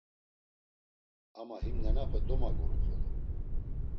Ama him nenape domaguru xolo.